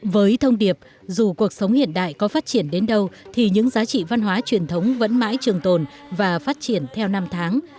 với thông điệp dù cuộc sống hiện đại có phát triển đến đâu thì những giá trị văn hóa truyền thống vẫn mãi trường tồn và phát triển theo năm tháng